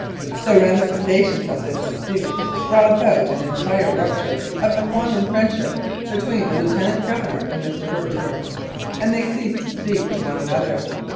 The ramifications of this dispute brought about an entire rupture of the quondam friendship between the 42 1886 88. Regina Lieutenant Governor and Mr. Herchmer, and they ceased to speak to one another.